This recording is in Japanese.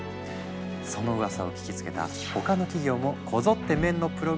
そのうわさを聞きつけた他の企業もこぞってメンのプログラムを導入。